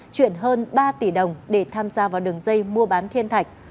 chuyển hơn ba tỷ đồng để tham gia vào đường dây mua bán thiên thạch